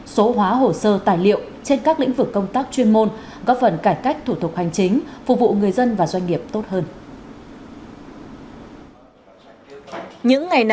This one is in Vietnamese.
số hóa hồ sơ tài liệu trên các lĩnh vực công tác chuyên môn góp phần cải cách thủ tục hành chính phục vụ người dân và doanh nghiệp tốt hơn